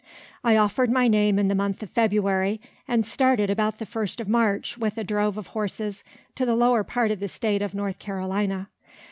I offered my name in the month of February, and started about the first of March with a drove of horses to the lower part of the state of North Carolina.